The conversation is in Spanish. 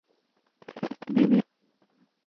viviréis